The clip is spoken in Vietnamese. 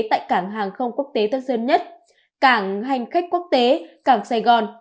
tại cảng hàng không quốc tế tân sơn nhất cảng hành khách quốc tế cảng sài gòn